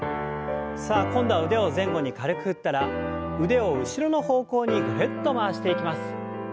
さあ今度は腕を前後に軽く振ったら腕を後ろの方向にぐるっと回していきます。